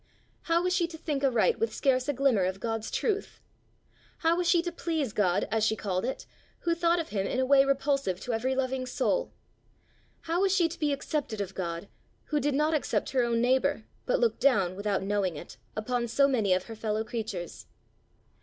How was she to think aright with scarce a glimmer of God's truth? How was she to please God, as she called it, who thought of him in a way repulsive to every loving soul? How was she to be accepted of God, who did not accept her own neighbour, but looked down, without knowing it, upon so many of her fellow creatures?